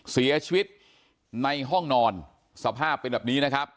เสียชีวิตในห้องนอนสภาพเป็นแบบนี้นะครับ